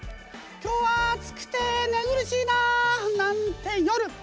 今日は暑くて寝苦しいななんて夜。